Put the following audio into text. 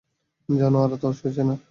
জানু, আর তর সইছে না।